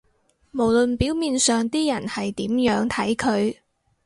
無論表面上啲人係點樣睇佢